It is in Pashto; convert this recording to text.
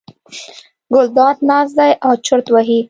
ګلداد ناست دی او چورت وهي.